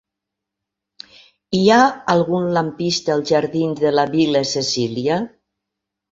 Hi ha algun lampista als jardins de la Vil·la Cecília?